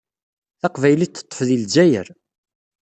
Taqbaylit teṭṭef di Lezzayer.